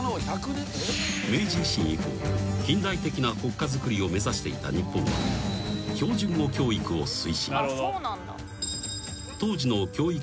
［明治維新以降近代的な国家づくりを目指していた日本は標準語教育を推進］